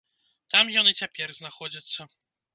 Там ён і цяпер знаходзіцца.